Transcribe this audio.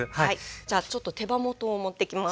じゃあちょっと手羽元を持ってきます。